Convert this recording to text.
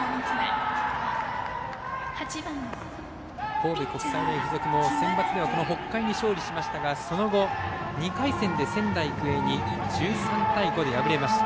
神戸国際大付属もセンバツではこの北海に勝利しましたがその後、２回戦で仙台育英に１３対５で敗れました。